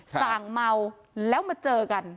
สั่งเมาแล้วมาเจอกัน